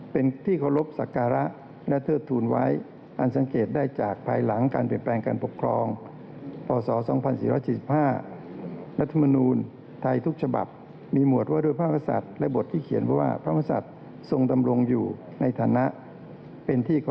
เป็นที่เคารพศักระและเทิดทูลไว้